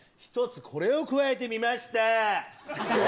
１つこれを加えてみました。